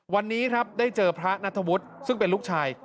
วันนี้ครับได้เจอพระนัทวุฒิซึ่งเป็นลูกชาย